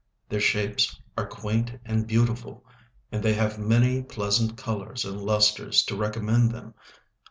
Their shapes are quaint and beautiful, And they have many pleasant colours and lustres To recommend them.